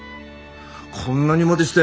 こんなにまでして。